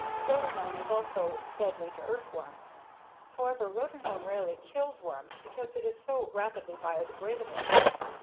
Rotenone is also deadly to earthworms. However, rotenone rarely kills worms because it is so rapidly biodegradable.